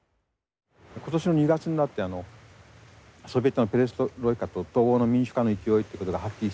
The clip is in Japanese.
今年の２月になってソビエトのペレストロイカと東欧の民主化の勢いってことがはっきりしてる。